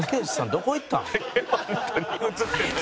「どこ行ったの？」